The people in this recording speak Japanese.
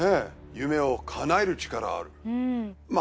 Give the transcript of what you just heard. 夢をかなえる力あるうんまぁ